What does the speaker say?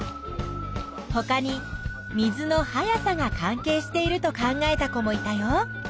ほかに水の速さが関係していると考えた子もいたよ。